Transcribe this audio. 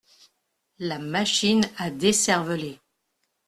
La Machine à décerveler.